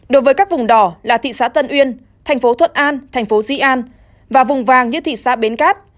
đối với các vùng đỏ là thị xã tân uyên thành phố thuận an thành phố di an và vùng vàng như thị xã bến cát